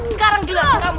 sekarang jalan aku